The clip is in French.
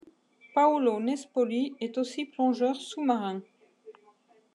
Paolo Nespoli est aussi plongeur sous-marin.